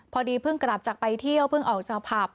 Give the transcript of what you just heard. พอดีเพิ่งกลับจากไปเที่ยวเพิ่งออกจากผับ